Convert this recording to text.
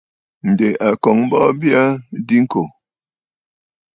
Ǹdè a kɔ̀ŋə̀ bɔɔ bya aa diŋkò.